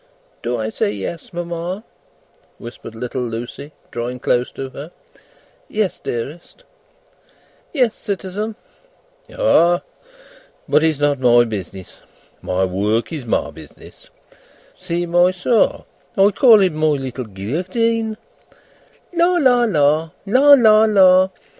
"Do I say yes, mamma?" whispered little Lucie, drawing close to her. "Yes, dearest." "Yes, citizen." "Ah! But it's not my business. My work is my business. See my saw! I call it my Little Guillotine. La, la, la; La, la, la!